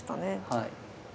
はい。